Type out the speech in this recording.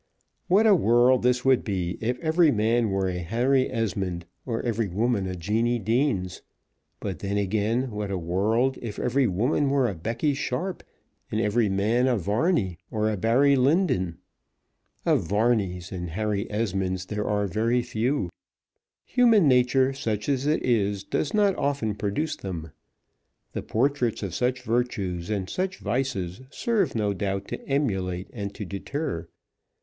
What a world this would be if every man were a Harry Esmond, or every woman a Jeannie Deans! But then again, what a world if every woman were a Beckie Sharp and every man a Varney or a Barry Lyndon! Of Varneys and Harry Esmonds there are very few. Human nature, such as it is, does not often produce them. The portraits of such virtues and such vices serve no doubt to emulate and to deter.